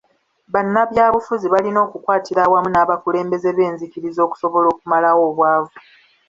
Bannabyabufuzi balina okukwatira awamu n'abakulembeze b'enzikiriza okusobola okumalawo obwavu.